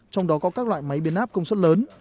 trong đó có các loại máy biến áp công suất lớn